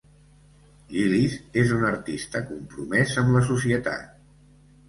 Gillis és un artista compromès amb la societat.